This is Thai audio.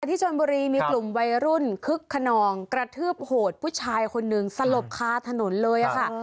ที่ชนบุรีมีกลุ่มวัยรุ่นคึกขนองกระทืบโหดผู้ชายคนหนึ่งสลบคาถนนเลยค่ะ